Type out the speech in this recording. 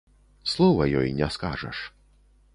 Слова ёй не скажаш.